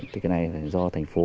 thì cái này là do thành phố